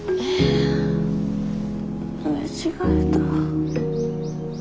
寝違えた。